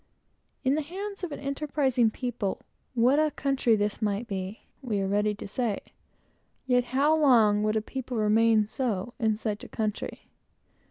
In the hands of an enterprising people, what a country this might be! we are ready to say. Yet how long would a people remain so, in such a country?